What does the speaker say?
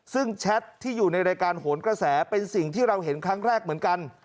ซึ่งแชทที่อยู่ในรายการโหนกระแสเป็นสิ่งที่เราเห็นครั้งแรกเหมือนกัน